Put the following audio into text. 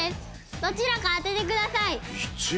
どちらか当ててください。